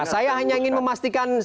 saya hanya ingin memastikan